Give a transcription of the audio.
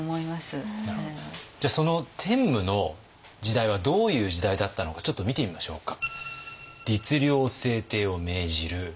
じゃあその天武の時代はどういう時代だったのかちょっと見てみましょうか。